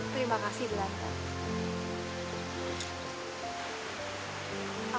terima kasih dilan